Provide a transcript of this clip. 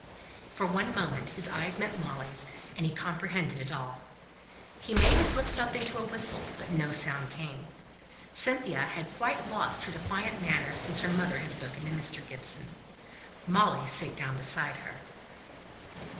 For one moment his eyes met Molly's, and he comprehended it all. He made his lips up into a whistle, but no sound came. Cynthia had quite lost her defiant manner since her mother had spoken to Mr. Gibson. Molly sate down by her.